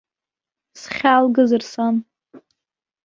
Схьаалгазар сан?